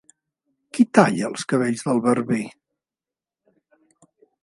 ¿Qui talla els cabells del barber?